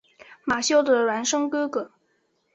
马修的孪生哥哥。